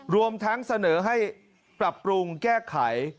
รวมทั้งเสนอให้ปรับปรุงแก้ไข